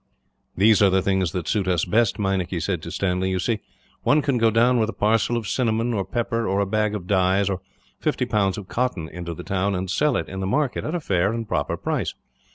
"These are the things that suit us best," Meinik said to Stanley. "You see, one can go down with a parcel of cinnamon or pepper, or a bag of dyes, or fifty pounds of cotton into the town; and sell it in the market, at a fair and proper price.